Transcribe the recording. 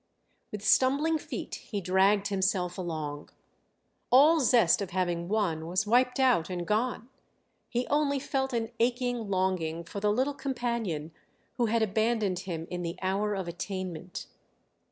With stumbling feet he dragged himself along. All zest of having won was wiped out and gone. He only felt an aching longing for the little companion who had abandoned him in the hour of attainment.